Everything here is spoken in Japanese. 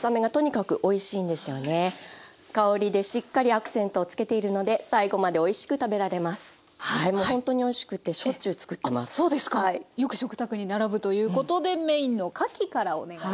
よく食卓に並ぶということでメインのかきからお願いいたします。